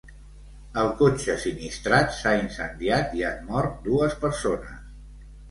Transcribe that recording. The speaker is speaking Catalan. El cotxe sinistrat s’ha incendiat i han mort dues persones.